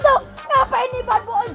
gak tau ngapain ini bapak ustz